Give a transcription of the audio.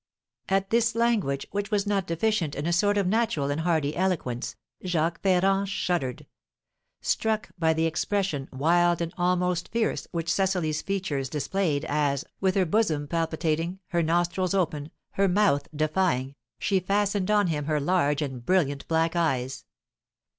At this language, which was not deficient in a sort of natural and hardy eloquence, Jacques Ferrand shuddered; struck by the expression, wild and almost fierce, which Cecily's features displayed, as, with her bosom palpitating, her nostrils open, her mouth defying, she fastened on him her large and brilliant black eyes.